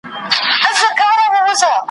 چي اولسونو لره زوال دی ,